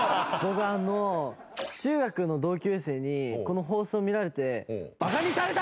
僕あの中学の同級生にこの放送見られて。